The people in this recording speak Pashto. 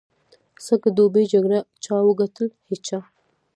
سږ دوبي جګړه چا وګټل؟ هېچا.